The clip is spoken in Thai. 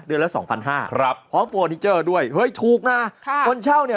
ละสองพันห้าครับพร้อมโปรดิเจอร์ด้วยเฮ้ยถูกนะค่ะคนเช่าเนี่ย